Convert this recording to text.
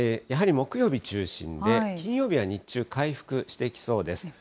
やはり木曜日中心で、金曜日は日中、回復してきそうです。